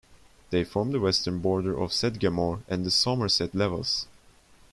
They form the western border of Sedgemoor and the Somerset Levels.